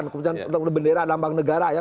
kemudian bendera lambang negara ya